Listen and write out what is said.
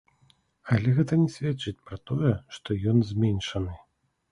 Але гэта не сведчыць пра тое, што ён зменшаны.